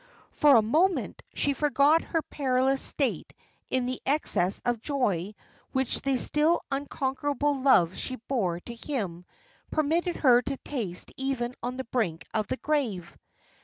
For a moment she forgot her perilous state in the excess of joy which the still unconquerable love she bore to him permitted her to taste even on the brink of the grave!